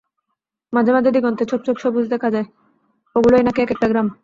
মাঝে মাঝে দিগন্তে ছোপ ছোপ সবুজ দেখা যায়, ওগুলোই নাকি এক–একটা গ্রাম।